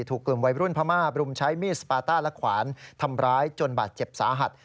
ถูกกลุ่มวัยรุ่นพม่าบรุมใช้มีดสปาต้าและขวานทำร้ายจนบาดเจ็บสาหัส